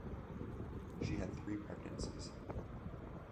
She had three pregnancies.